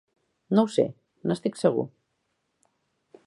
No ho sé, n'estic segur!